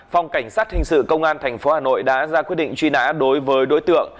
phòng cảnh sát hình sự công an tp hà nội đã ra quyết định truy nã đối với đối tượng